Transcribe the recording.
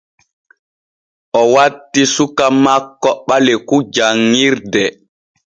O watti suka makko Ɓaleku janŋirde.